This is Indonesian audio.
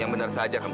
yang bener saja kamu